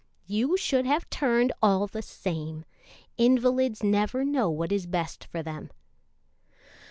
"You should have turned, all the same. Invalids never know what is best for them."